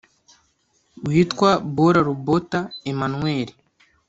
witwa bola lobota emmauel